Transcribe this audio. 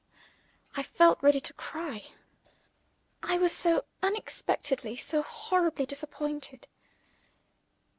I felt ready to cry I was so unexpectedly, so horribly, disappointed.